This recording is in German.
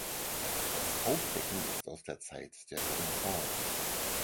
Das Taufbecken ist aus der Zeit der Renaissance.